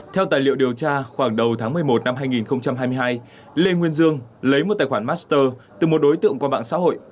theo tài liệu điều tra khoảng đầu tháng một mươi một năm hai nghìn hai mươi hai lê nguyên dương lấy một tài khoản master từ một đối tượng qua mạng xã hội